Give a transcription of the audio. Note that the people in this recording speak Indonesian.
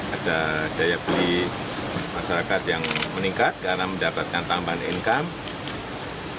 ada daya beli masyarakat yang meningkat karena mendapatkan tambahan income